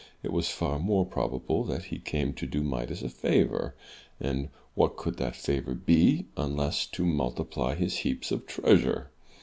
It was far more probable that he came to do Midas a favour. And what could that favour be, unless to multiply his heaps of treasure?